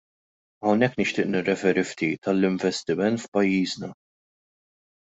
Hawnhekk nixtieq nirreferi ftit għall-investiment f'pajjiżna.